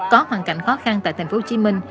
có hoàn cảnh khó khăn tại tp hcm